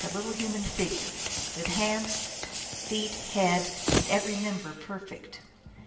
247 a little human figure, with hands, feet, head, and every member perfect.